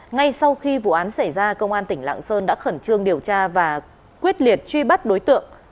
ngay sau khi vụ án xảy ra công an tỉnh lạng sơn đã khẩn trương điều tra và quyết liệt truy bắt đối tượng